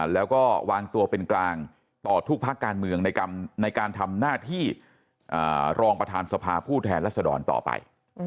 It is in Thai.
แล้วก็วางตัวเป็นกลางต่อทุกภาคการเมืองในการทำหน้าที่รองประธานสภาผู้แทนรัศดรต่อไป